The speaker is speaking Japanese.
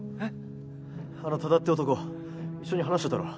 あの多田って男一緒に話してたろ？